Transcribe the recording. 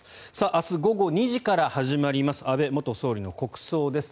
明日午後２時から始まります安倍元総理の国葬です。